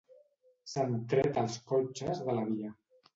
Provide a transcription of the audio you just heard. S'han tret els cotxes de la via.